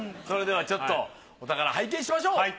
それではちょっとお宝拝見しましょう。